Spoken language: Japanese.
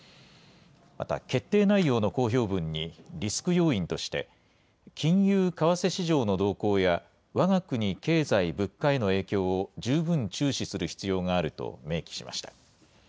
また、決定内容の公表文に、リスク要因として、金融・為替市場の動向や、わが国経済・物価への影響を十分注視する必要があると明記しました。